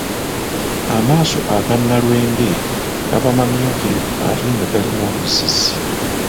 Amaaso aga Nalwenge gaba mamyukirivu ate nga galimu oluzzizzi.